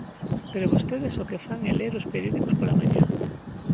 Pero vostedes o que fan é ler os periódicos pola mañá.